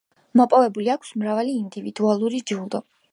მოპოვებული აქვს მრავალი ინდივიდუალური ჯილდო.